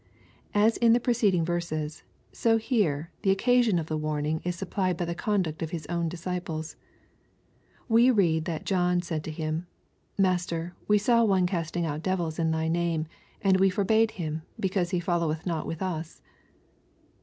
As in the preceding verses, so here, the occasion of the warning is supplied by the conduct of His own disciples. We read that John said to Him, " Master, we saw one casting out devils in thy name : and we forbade him, because he foUoweth not with us."